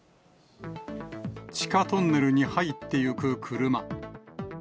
地下トンネルに入ってゆく車。